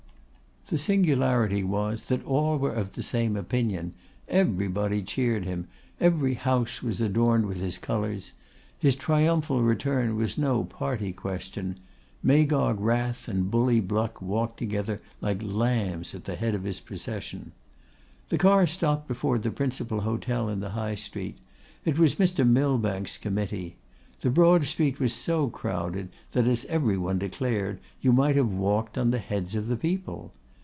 The singularity was, that all were of the same opinion: everybody cheered him, every house was adorned with his colours. His triumphal return was no party question. Magog Wrath and Bully Bluck walked together like lambs at the head of his procession. The car stopped before the principal hotel in the High Street. It was Mr. Millbank's committee. The broad street was so crowded, that, as every one declared, you might have walked on the heads of the people.